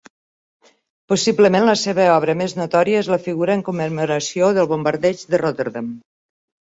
Possiblement la seva obra més notòria és la figura en commemoració del Bombardeig de Rotterdam.